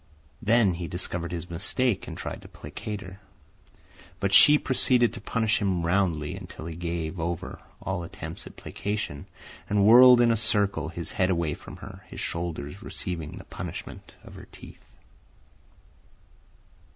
Then he discovered his mistake and tried to placate her. But she proceeded to punish him roundly, until he gave over all attempts at placation, and whirled in a circle, his head away from her, his shoulders receiving the punishment of her teeth.